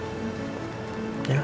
ingat ya al